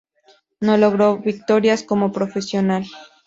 No logró victorias como profesional.